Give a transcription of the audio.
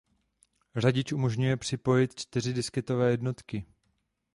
Řadič umožňuje připojit čtyři disketové jednotky.